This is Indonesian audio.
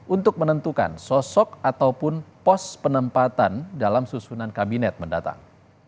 untuk menentukan sosok ataupun pos penempatan dalam susunan kabinet mendatang